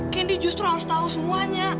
kini justru harus tahu semuanya